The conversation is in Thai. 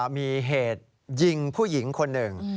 มีเหตุยิงผู้หญิงคนหนึ่ง